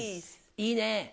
いいね。